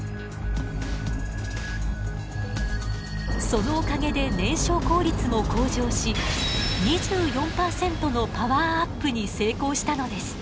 そのおかげで燃焼効率も向上し２４％のパワーアップに成功したのです。